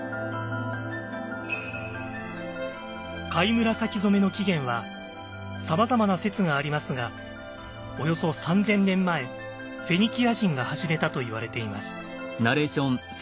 貝紫染めの起源はさまざまな説がありますがおよそ３，０００年前フェニキア人が始めたといわれています。